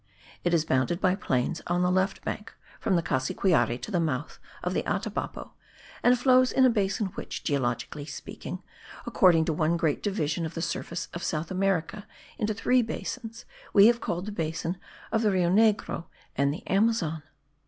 It is bounded by plains on the left bank, from the Cassiquiare to the mouth of the Atabapo, and flows in a basin which, geologically speaking, according to one great division of the surface of South America into three basins, we have called the basin of the Rio Negro and the Amazon.